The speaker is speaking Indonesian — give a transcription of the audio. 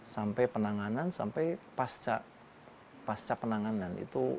sampai penanganan sampai pasca penanganan